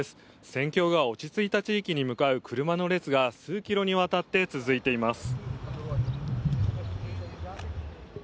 戦況が落ち着いた地域に向かう車の列が数キロにわたって続いています。